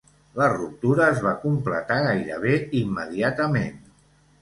La ruptura es va completar gairebé immediatament.